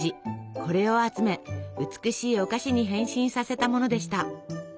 これを集め美しいお菓子に変身させたものでした。